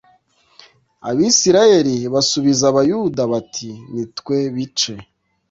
abisirayeli basubiza abayuda bati ni twe bice